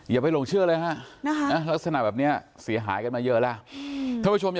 อย่าไปหลงเชื่อเลยฮะลักษณะแบบนี้เสียหายกันมาเยอะแล้วท่านผู้ชม